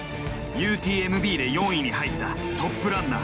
ＵＴＭＢで４位に入ったトップランナー。